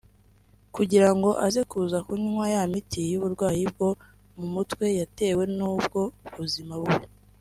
kugira ngo aze kuza kunywa ya miti y’uburwayi bwo mu mutwe yatewe n’ ubwo buzima bubi